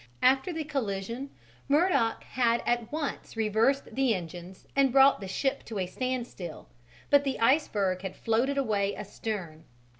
After the collision, Murdock had at once reversed the engines and brought the ship to a standstill, but the iceberg had floated away astern.